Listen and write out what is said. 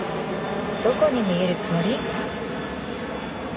どこに逃げるつもり？